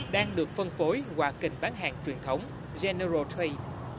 đang được phân phối qua kênh bán hàng truyền thống general tray